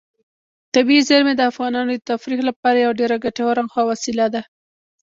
طبیعي زیرمې د افغانانو د تفریح لپاره یوه ډېره ګټوره او ښه وسیله ده.